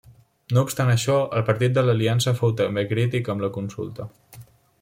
No obstant això, el Partit de l'Aliança fou també crític amb la consulta.